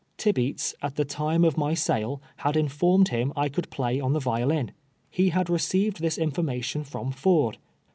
Tibeats, at the time of my sale, had informed him I could play on the violin. lie had receiv ed his information from Ford.